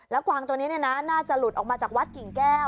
กวางตัวนี้น่าจะหลุดออกมาจากวัดกิ่งแก้ว